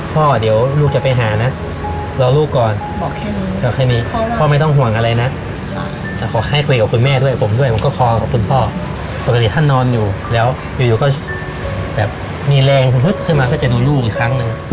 พออยู่ก็ก็จะมีแรงขึ้นมาก็จะดูลูกอีกครั้งหนึ่ง